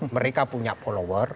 mereka punya follower